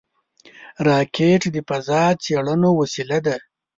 راکټ د فضا څېړنو وسیله ده